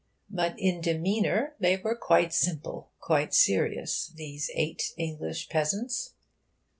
But in demeanour they were quite simple, quite serious, these eight English peasants.